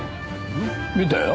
見たよ。